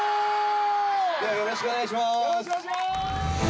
ではよろしくお願いします！